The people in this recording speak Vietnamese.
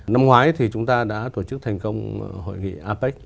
năm ngoái thì chúng ta đã tổ chức thành công hội nghị apec